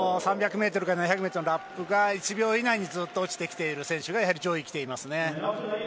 ３００ｍから７００ｍのラップが１秒以内にずっと落ちてきている選手が上位に来ていますね。